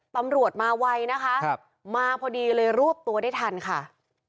ตำรวจมาไวนะคะมาพอดีเลยรวบตัวได้ทันค่ะ